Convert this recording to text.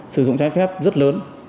sử dụng trái phép rất lớn